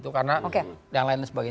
karena dan lain sebagainya